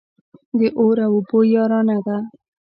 د اور او اوبو يارانه ده.